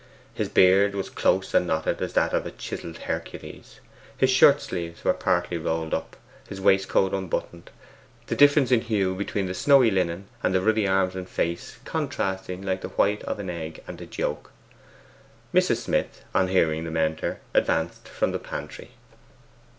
His beard was close and knotted as that of a chiselled Hercules; his shirt sleeves were partly rolled up, his waistcoat unbuttoned; the difference in hue between the snowy linen and the ruddy arms and face contrasting like the white of an egg and its yolk. Mrs. Smith, on hearing them enter, advanced from the pantry.